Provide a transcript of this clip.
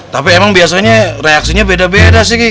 tapi emang biasanya reaksinya beda beda sih